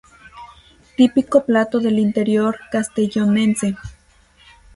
Típico plato del interior castellonense.